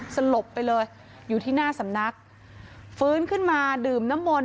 สลบไปเลยอยู่ที่หน้าสำนักฟื้นขึ้นมาดื่มน้ำมนต